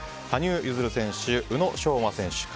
羽生結弦選手、宇野昌磨選手